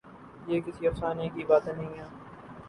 یہ کسی افسانے کی باتیں نہیں ہیں۔